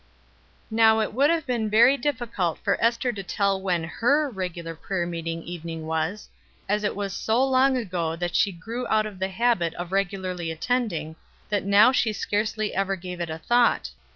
Now it would have been very difficult for Ester to tell when her regular prayer meeting evening was, as it was so long ago that she grew out of the habit of regularly attending, that now she scarcely ever gave it a thought.